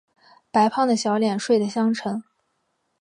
白胖的小脸睡的香沉